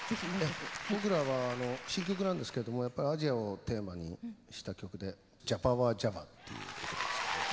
僕らは新曲なんですけれどもやっぱりアジアをテーマにした曲で「ＪＡＶＡＷＡＪＡＶＡ」っていう。